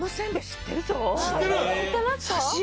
知ってますか？